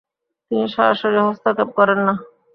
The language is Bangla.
তিনি সরাসরি হস্তক্ষেপ করেন না।